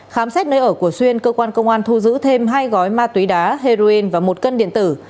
khám xét nơi ở của xuyên cơ quan công an thu giữ thêm hai gói ma túy đá heroin và một cân điện tử